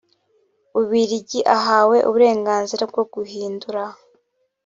bubiligi ahawe uburenganzira bwo guhindura